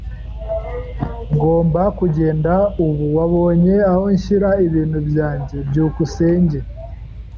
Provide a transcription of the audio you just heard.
Ngomba kugenda ubu. Wabonye aho nshyira ibintu byanjye? byukusenge